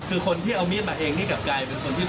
คือคนที่เอามีดมาเองนี่กลับกลายเป็นคนที่